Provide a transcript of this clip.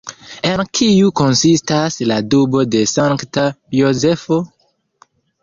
En kiu konsistas ‘’’la dubo de Sankta Jozefo’’’?